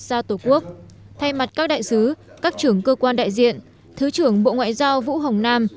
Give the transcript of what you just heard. ra tổ quốc thay mặt các đại sứ các trưởng cơ quan đại diện thứ trưởng bộ ngoại giao vũ hồng nam